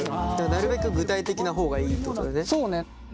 なるべく具体的な方がいいってことだよね。